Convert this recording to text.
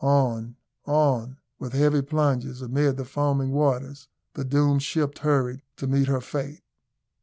On on, with heavy plunges, amid the foaming waters, the doomed ship hurried to meet her fate.